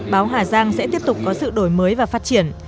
báo hà giang sẽ tiếp tục có sự đổi mới và phát triển